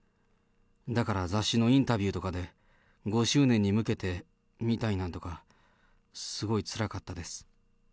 だから、雑誌のインタビューとかで、５周年に向けてみたいなとか、すごいつらかったです。